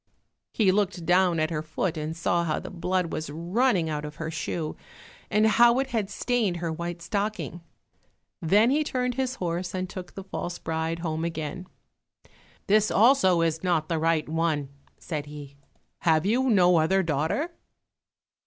He looked down at her foot and saw how the blood was running out of her shoe, and how it had stained her white stocking. Then he turned his horse and took the false bride home again. "This also is not the right one," said he, "have you no other daughter?"